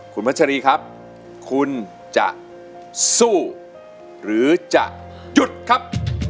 คุณพัชรีครับคุณจะสู้หรือจะหยุดครับ